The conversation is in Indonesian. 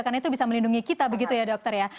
karena itu bisa melindungi kita begitu ya dokter ya